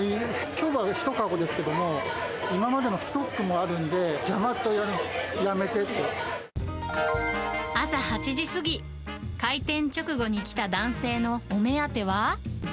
きょうは１籠ですけども、今までのストックもあるんで、邪魔って、朝８時過ぎ、開店直後に来た男性のお目当ては？